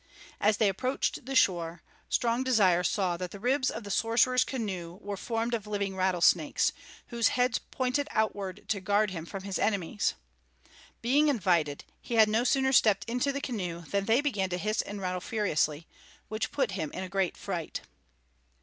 As they approached the shore, Strong Desire saw that the ribs of the sorcerer's canoe were formed of living rattlesnakes, whose heads pointed outward to guard him from his enemies. Being invited, he had no sooner stepped into the canoe, than they began to hiss and rattle furiously, which put him in a great fright.